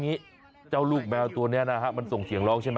หิวใช่ไหมกินนมกินนม